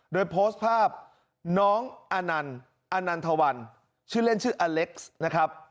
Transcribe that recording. โดยโพสต์ภาพน้องอนันต์อนันทวันชื่อเล่นชื่ออเล็กซ์นะครับ